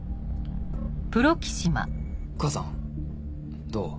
母さんどう？